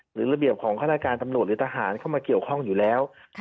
หรือระเบียบของฆาตการตำรวจหรือทหารเข้ามาเกี่ยวข้องอยู่แล้ว